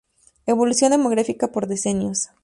Evolución demográfica por decenios.